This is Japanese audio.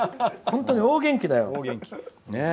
本当に大元気だよ。